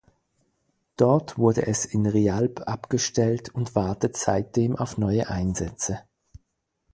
Dort wurde es in Realp abgestellt und wartet seitdem auf neue Einsätze.